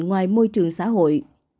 ngoài môi trường xã hội